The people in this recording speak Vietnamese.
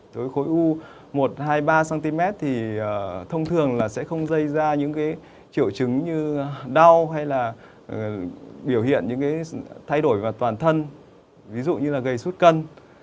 đối với khối u một hai ba cm thì thông thường là sẽ không dây ra những triệu chứng như đau hay là biểu hiện những thay đổi vào toàn thân ví dụ như là gây xuất cân